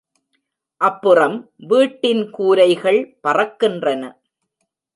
அப்புறம் வீட்டின் கூரைகள் பறக்கின்றன.